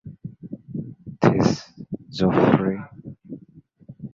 This, Joffrey?